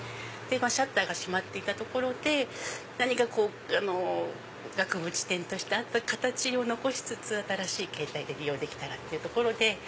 シャッターが閉まっていたところで何かこう額縁店としてあった形を残しつつ新しい形態で利用できたらっていうところで。